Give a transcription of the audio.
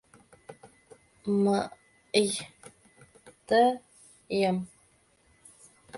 Мы-ый ты-йым...